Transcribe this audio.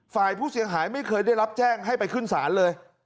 ฝ่ายผู้เสียหายไม่เคยได้รับแจ้งให้ไปขึ้นศาลเลย